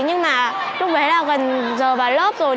nhưng mà lúc đấy là gần giờ vào lớp rồi